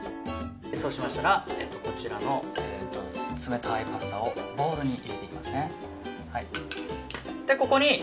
こちらの冷たいパスタをボウルに入れていきますね。